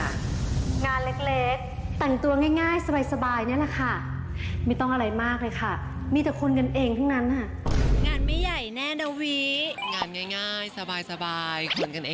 หรือว่าคนเดินเข้าไปงานก็คือ